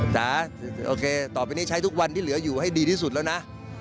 จ๋าโอเคต่อไปนี้ใช้ทุกวันที่เหลืออยู่ให้ดีที่สุดแล้วนะ